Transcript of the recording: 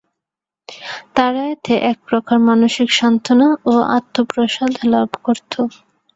তারা এতে এক প্রকার মানসিক সান্ত্বনা ও আত্মপ্রসাদ লাভ করত।